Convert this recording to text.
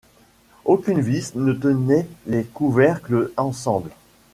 Aucune vis ne tenait les couvercles ensemble.